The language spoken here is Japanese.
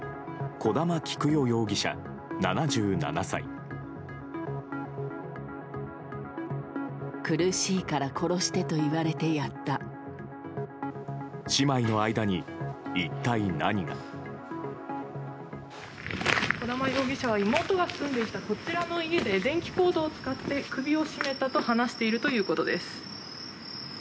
小玉容疑者は、妹が住んでいたこちらの家で電気コードを使って首を絞めたと話しているということです。